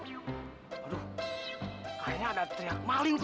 aduh kayaknya ada teriak maling